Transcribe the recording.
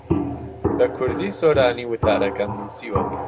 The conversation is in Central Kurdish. بە کوردیی سۆرانی وتارەکەم نووسیوە.